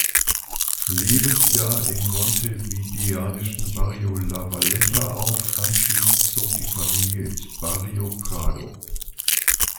Lebensjahr im montevideanischen Barrio Lavalleja auf, anschließend zog die Familie ins Barrio Prado.